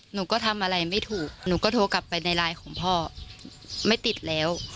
หนูก็ทำอะไรไม่ถูกหนูก็โทรกลับไปในไลน์ของพ่อไม่ติดแล้ว